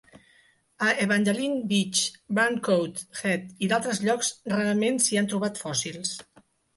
A Evangeline Beach, Burntcoat Head i d'altres llocs, rarament s'hi han trobat fòssils.